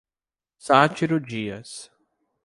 Sátiro Dias